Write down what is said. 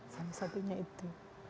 sama satunya itu